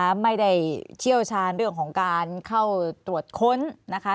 ไม่ได้เชี่ยวชาญเรื่องของการเข้าตรวจค้นนะคะ